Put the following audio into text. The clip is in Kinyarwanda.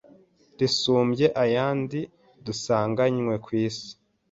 Risumbye ayandi dusanganywe ku isi